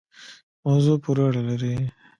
موضوع پوری اړه لری